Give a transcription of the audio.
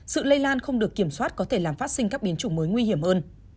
sự lây lan không được kiểm soát có thể làm phát sinh các biến chủng mới nguy hiểm hơn